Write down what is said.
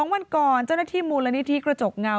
วันก่อนเจ้าหน้าที่มูลนิธิกระจกเงา